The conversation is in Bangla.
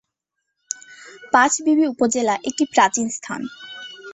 পাঁচবিবি উপজেলা একটি প্রাচীন স্থান।